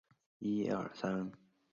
凹花蟹蛛为蟹蛛科花蟹蛛属的动物。